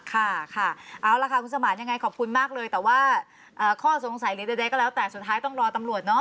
ค่ะค่ะเอาล่ะค่ะคุณสมานยังไงขอบคุณมากเลยแต่ว่าข้อสงสัยหรือใดก็แล้วแต่สุดท้ายต้องรอตำรวจเนาะ